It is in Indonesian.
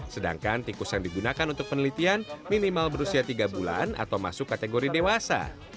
sedangkan tikus yang digunakan untuk penelitian minimal berusia tiga bulan atau masuk kategori dewasa